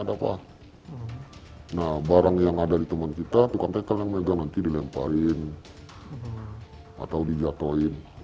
ada apa nah barang yang ada di teman kita tukang rekan yang megang nanti dilemparin atau dijatuhin